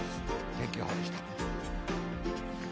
天気予報でした。